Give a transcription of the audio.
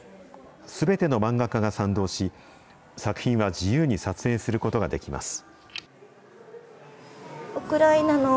すべての漫画家が賛同し、作品は自由に撮影することができます。